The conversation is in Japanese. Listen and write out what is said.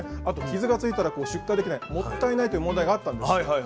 あと傷がついたら出荷できないもったいないという問題があったんです。